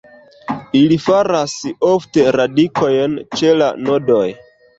Ili faras ofte radikojn ĉe la nodoj.